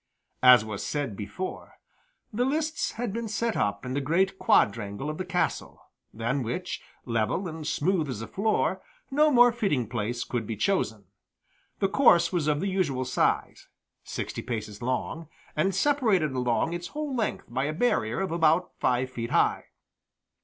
As was said before, the lists had been set up in the great quadrangle of the castle, than which, level and smooth as a floor, no more fitting place could be chosen. The course was of the usual size sixty paces long and separated along its whole length by a barrier about five feet high.